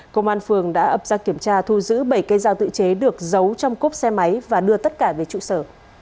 công an phường đã ập ra kiểm tra thu giữ bảy cây dao tự chế được giấu trong cốp xe máy và đưa tất cả về trụ sở